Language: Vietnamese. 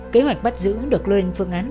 kế hoạch bắt giữ được lên phương án